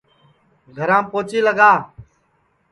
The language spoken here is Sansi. گھرام پوچی لگا